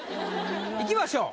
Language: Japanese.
いきましょう。